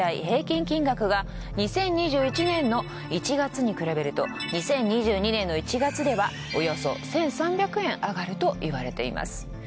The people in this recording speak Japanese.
平均金額が２０２１年の１月に比べると２０２２年の１月ではおよそ１，３００円上がると言われています。